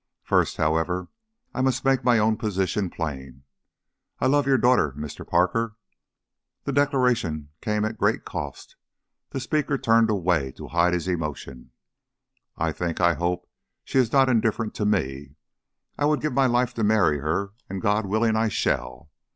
First, however, I must make my own position plain. I love your daughter, Mr. Parker." The declaration came at great cost, the speaker turned away to hide his emotion. "I think I hope she is not indifferent to me. I would give my life to marry her and, God willing, I shall.